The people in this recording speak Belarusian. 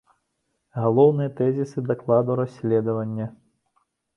Галоўныя тэзісы дакладу расследавання.